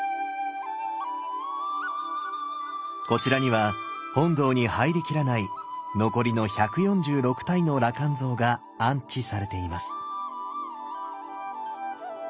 こちらには本堂に入りきらない残りの１４６体の羅漢像が安置されています。